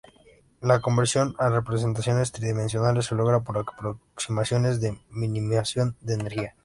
La conversión a representaciones tridimensionales se logra por aproximaciones de minimización de energía.